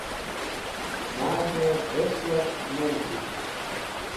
Maz̃hẽ bes̃h yark ne nẽkhitk.